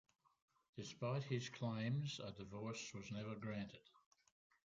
Despite his claims, a divorce was never granted.